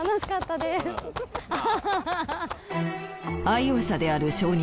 愛用者である証人